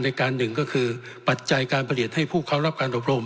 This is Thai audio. การหนึ่งก็คือปัจจัยการผลิตให้ผู้เขารับการอบรม